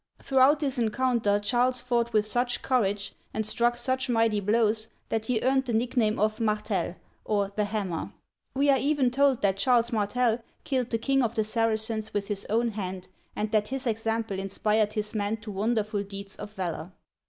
Throughout this encounter, Charles fought with such courage, and struck such mighty blows, that he earned the nickname of " Martel'," or " The Hammer." We are even Digitized by VjOOQIC CHARLES MARTEL 65 told that Charles Martel killed the king of the Saracens with his own hand aud that his example inspired his men to wonderful deeds of valor.